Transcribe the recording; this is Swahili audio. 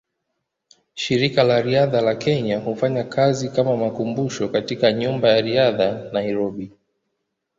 Shirika la Riadha la Kenya hufanya kazi kama makumbusho katika Nyumba ya Riadha, Nairobi.